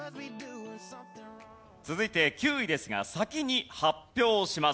続いて９位ですが先に発表します。